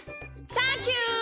サンキュー！